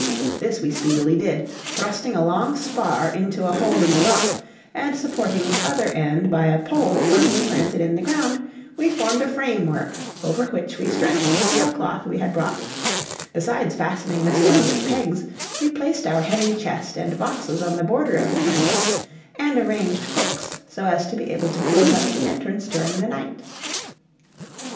This we speedily did; thrusting a long spar into a hole in the rock, and supporting the other end by a pole firmly planted in the ground, we formed a framework over which we stretched the sailcloth we had brought; besides fastening this down with pegs, we placed our heavy chest and boxes on the border of the canvas, and arranged hooks so as to be able to close up the entrance during the night.